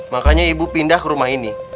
makanya ibu pindah ke rumah ini